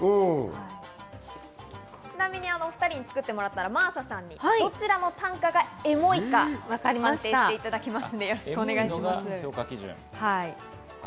ちなみに２人につくってもらったら真麻さんにどちらの短歌がエモいか判定していただきます。